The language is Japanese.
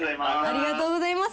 ありがとうございます。